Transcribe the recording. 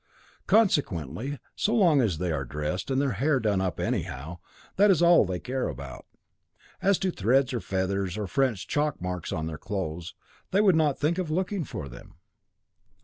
Consequently, so long as they are dressed and their hair done up anyhow, that is all they care about. As to threads, or feathers, or French chalk marks on their clothes, they would not think of looking for them.'